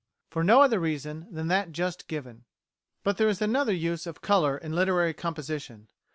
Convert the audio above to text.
For no other reason than that just given. But there is another use of colour in literary composition.